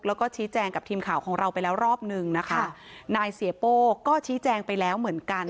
แล้วก็ชี้แจงกับทีมข่าวของเราไปแล้วรอบหนึ่งนะคะนายเสียโป้ก็ชี้แจงไปแล้วเหมือนกัน